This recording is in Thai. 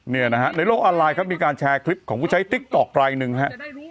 เนี่ยนะฮะในโลกออนไลน์ครับมีการแชร์คลิปของผู้ใช้ติ๊กต๊อกลายหนึ่งฮะ